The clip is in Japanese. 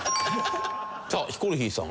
さあヒコロヒーさん。